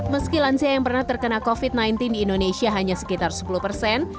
meski lansia yang pernah terkena covid sembilan belas di indonesia hanya sekitar sepuluh persen